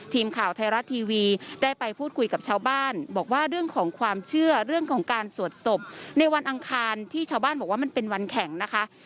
ทีมข่าวไทยรัฐทีวีได้ไปพูดคุยกับชาวบ้านบอกว่าเรื่องของความเชื่อเรื่องของการสวดศพในวันอังคารที่ชาวบ้านบอกว่ามันเป็นวันแข่งนะคะ